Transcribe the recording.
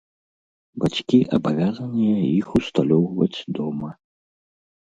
Бацькі абавязаныя іх усталёўваць дома.